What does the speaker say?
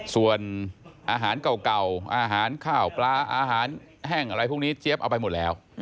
ส่วนอาหารเก่าอาหารข้าวปลาอาหารแห้งอะไรพวกนี้เจี๊ยบเอาไปหมดแล้ว